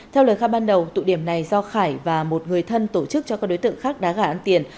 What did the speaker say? theo lời khai ban đầu tụ điểm này do khải và một người thân tổ chức cho các đối tượng khác đá gà ăn tiền